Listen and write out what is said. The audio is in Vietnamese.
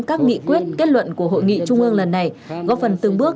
các nghị quyết kết luận của hội nghị trung ương lần này góp phần từng bước